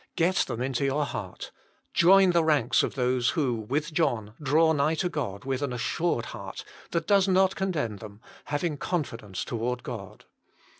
Get them into your heart. Join the ranks of those who, with John, draw nigh to God with an assured heart, that does not condemn them, having confidence toward God.